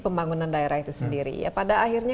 pembangunan daerah itu sendiri ya pada akhirnya